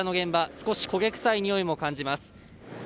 少し焦げ臭いにおいも感じます。